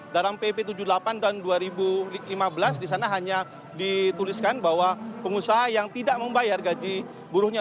dalam pp tujuh puluh delapan tahun dua ribu lima belas di sana hanya dituliskan bahwa pengusaha yang tidak membayar gaji buruhnya